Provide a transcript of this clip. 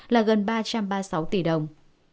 là gần ba trăm ba mươi sáu tỷ đồng